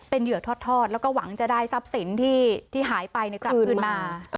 เป็นเหยื่อทอดแล้วก็หวังจะได้ทรัพย์สินที่หายไปกลับคืนมา